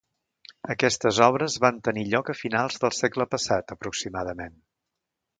Aquestes obres van tenir lloc a finals del segle passat aproximadament.